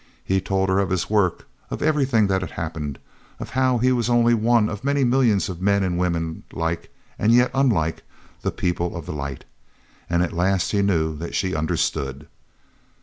He told her of his work, of everything that had happened, of how he was only one of many millions of men and women like, and yet unlike, the People of the Light. And at last he knew that she understood.